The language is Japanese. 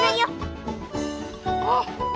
あっ。